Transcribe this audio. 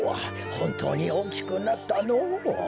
ほんとうにおおきくなったのう。